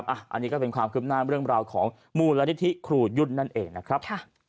อันนี้ก็เป็นความคืบหน้าเรื่องราวของมูลนิธิครูยุ่นนั่นเองนะครับ